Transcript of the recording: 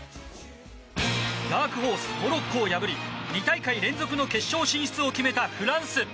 ダークホース、モロッコを破り２大会連続の決勝進出を決めたフランス。